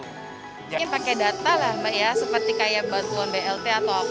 mungkin pakai data lah mbak ya seperti kayak batuan blt atau apa